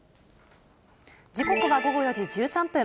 時刻は午後４時１３分。